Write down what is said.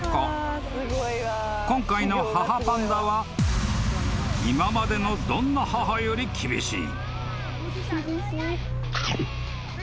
［今回の母パンダは今までのどんな母より厳しい］